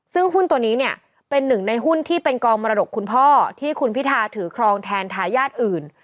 ซึ่งหุ้นตัวนี้เนี่ยเป็นหนึ่งในหุ้นที่เป็นกองมรดกคุณพ่อที่คุณพิทาถือครองแทนทายาทอื่น